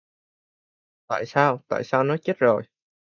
Tại sao tại sao nó chết rồi